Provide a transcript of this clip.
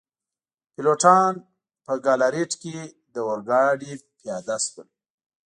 پیلوټان په ګالاریټ کي له اورګاډي پیاده شول.